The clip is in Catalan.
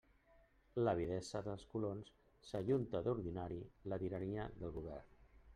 A l'avidesa dels colons s'ajunta d'ordinari la tirania del govern.